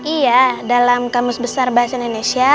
iya dalam kamus besar bahasa indonesia